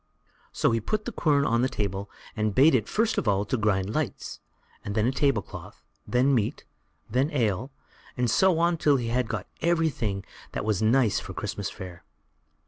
So he put the quern on the table, and bade it first of all grind lights, then a table cloth, then meat, then ale, and so on till they had got everything that was nice for Christmas fare.